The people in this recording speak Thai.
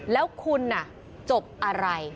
แล้วคุณจบอะไร